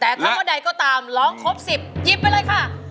แต่ถ้าข้อใดก็ตามร้องครบ๑๐หยิบไปเลยค่ะ